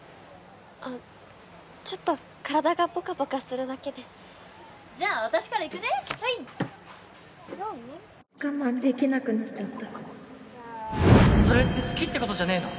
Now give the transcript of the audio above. あっちょっと体がポカポカするだけでじゃあ私からいくねはい我慢できなくなっちゃったそれって好きってことじゃねぇの？